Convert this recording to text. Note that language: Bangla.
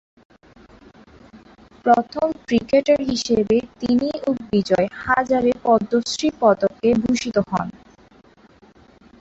প্রথম ক্রিকেটার হিসেবে তিনি ও বিজয় হাজারে পদ্মশ্রী পদকে ভূষিত হন।